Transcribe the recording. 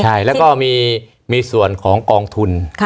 ใช่แล้วก็มีส่วนของกองทุน